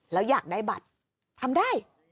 แล้วอยากได้บัตรทำได้